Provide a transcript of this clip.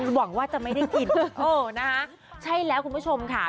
หวังว่าจะไม่ได้กินเออนะคะใช่แล้วคุณผู้ชมค่ะ